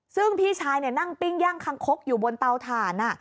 ซึ่งพี่ชายนั่งปิ้งย่างคังคกอยู่บนเตาถ่าน